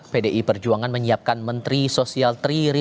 pdi perjuangan menyiapkan menteri sosial tri risma hari ini